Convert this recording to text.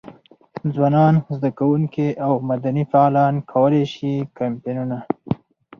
ځوانان، زده کوونکي او مدني فعالان کولای شي کمپاینونه.